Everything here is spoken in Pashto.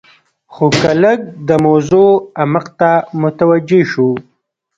خو که لږ د موضوع عمق ته متوجې شو.